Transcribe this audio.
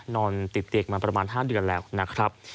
นอนติดเตียงมาประมาณ๕เดือนแล้วนะครับ